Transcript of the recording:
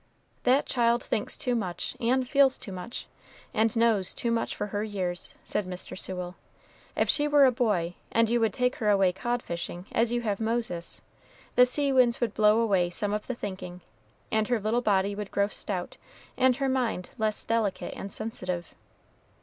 "That child thinks too much, and feels too much, and knows too much for her years!" said Mr. Sewell. "If she were a boy, and you would take her away cod fishing, as you have Moses, the sea winds would blow away some of the thinking, and her little body would grow stout, and her mind less delicate and sensitive.